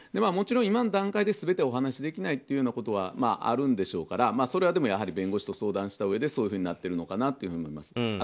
もちろん、今の段階で全てお話しできないということはあるんでしょうからそれはやはり弁護士と相談したうえでそういうふうになってるのかなと思います。